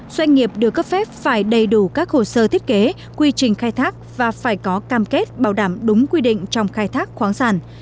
doanh nghiệp được cấp phép phải đầy đủ các hồ sơ thiết kế quy trình khai thác và phải có cam kết bảo đảm đúng quy định trong khai thác khoáng sản